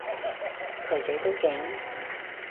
台仔都勁？